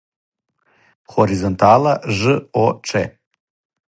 хоризонтала ж о че